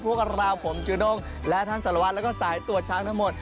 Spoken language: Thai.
พวกกับเราผมจูด้งและท่านสารวัตรแล้วก็สายตรวจช้างทั้งหมด